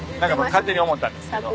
勝手に思ったんですけど。